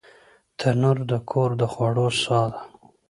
تنور د کور د خوړو ساه ده